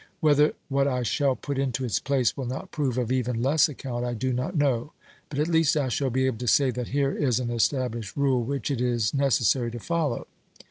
Whether what I shall put into its place will not prove of even less account I do not know, but at least I shall be able to say that here is an established rule which it is necessary to follow.